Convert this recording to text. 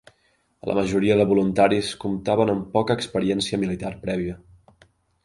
La majoria de voluntaris comptaven amb poca experiència militar prèvia.